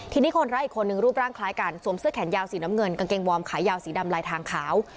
ทีนี้คนร้ายอีกคนนึงรูปร่างคล้ายกันสวมเสื้อแขนยาวสีน้ำเงินกางเกงวอร์มขายาวสีดำลายทางขาว